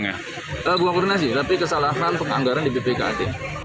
nggak ada koordinasi tapi kesalahan penganggaran di bpkt